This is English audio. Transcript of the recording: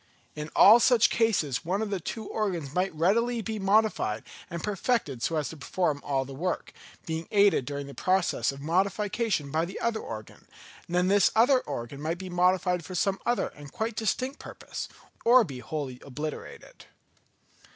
In all such cases one of the two organs might readily be modified and perfected so as to perform all the work, being aided during the progress of modification by the other organ; and then this other organ might be modified for some other and quite distinct purpose, or be wholly obliterated.